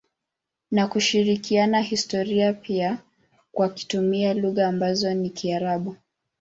na kushirikiana historia ya pamoja wakitumia lugha ambazo ni karibu.